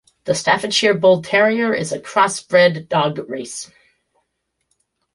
The Staffordshire Bull Terrier is a cross-bred dog race.